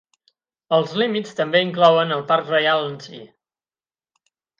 Els límits també inclouen el Parc reial en si.